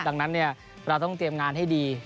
ดังนั้นเราต้องเตรียมงานให้ดี